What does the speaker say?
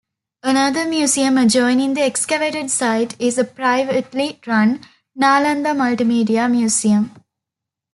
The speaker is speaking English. Another museum adjoining the excavated site is the privately run Nalanda Multimedia Museum.